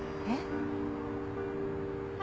えっ？